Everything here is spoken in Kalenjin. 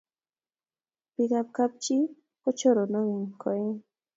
bik ab kab chi ko choronok eng koekeng'